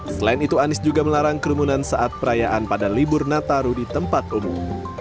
selain itu anies juga melarang kerumunan saat perayaan pada libur nataru di tempat umum